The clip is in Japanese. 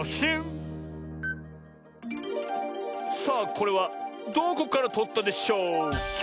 さあこれはどこからとったでしょうキャ？